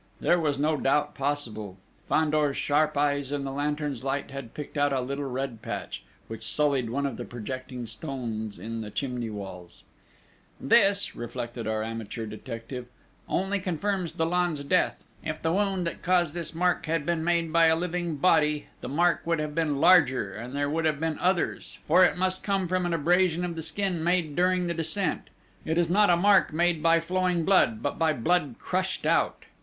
There was no doubt possible: Fandor's sharp eyes and the lantern's light had picked out a little red patch, which sullied one of the projecting stones in the chimney walls: "This," reflected our amateur detective, "only confirms Dollon's death: if the wound which caused this mark had been made by a living body, the mark would have been larger, and there would have been others, for it must come from an abrasion of the skin made during the descent. But this blood mark has resulted from a dead body knocking against the stones of the wall: it is not a mark make by flowing blood, but by blood crushed out."